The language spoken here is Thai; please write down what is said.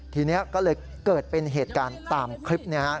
ทีนี้ก็เลยเกิดเป็นเหตุการณ์ตามคลิปนะครับ